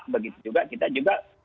begitu juga kita juga